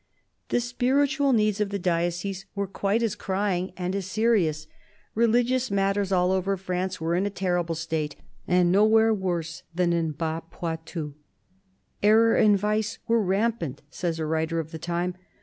The spiritual needs of the diocese were quite as crying and as serious. Religious matters all over France were in a terrible state, and nowhere worse than in Bas Poitou. " Error and vice were rampant," says a writer of the time.